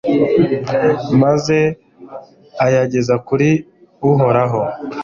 maze ayageza kuri uhoraho